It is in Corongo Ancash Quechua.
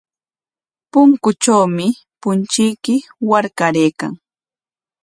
Punkutrawmi punchuyki warkaraykan.